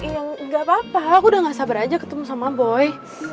yang nggak apa apa aku udah gak sabar aja ketemu sama boy